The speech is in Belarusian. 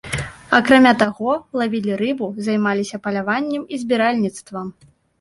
Акрамя таго, лавілі рыбу, займаліся паляваннем і збіральніцтвам.